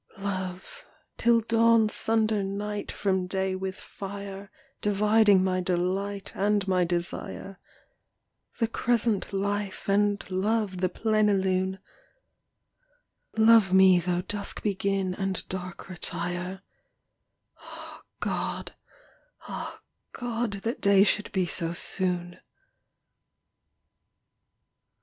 Love, till dawn sunder night from day with fire, Dividing my delight and my desire, The crescent life and love the plenilune, Love me though dusk begin and dark retire; Ah God, ah God, that day should be so soon.